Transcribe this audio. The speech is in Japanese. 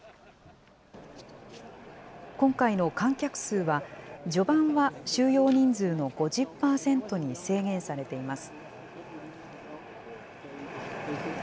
今回の観客数は、序盤は収容人数の５０％に制限されています。